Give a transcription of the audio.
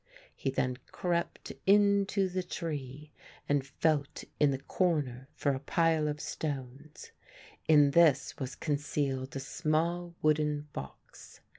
He then crept into the tree and felt in the corner for a pile of stones. In this was concealed a small wooden box.